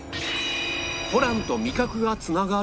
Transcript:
ホランと味覚が繋がる！？